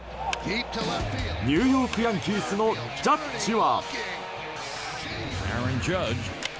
ニューヨーク・ヤンキースのジャッジは。